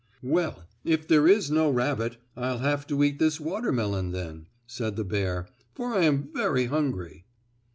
"Well, if there is no rabbit I'll have to eat this watermelon, then," said the bear, "for I am very hungry."